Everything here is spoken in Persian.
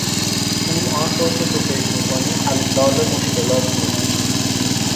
پول آنطور که تو فکر میکنی حلال مشکلات نیست!